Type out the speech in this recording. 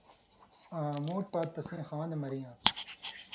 آں مُوٹ پات تسیں خوَن٘دہۡ مرِیان٘س؛